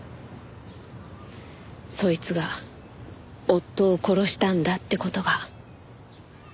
そいつが夫を殺したんだって事が。